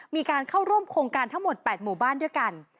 มีการเข้าร่วมโครงการทั้งหมด๘หมู่บ้านด้วยกัน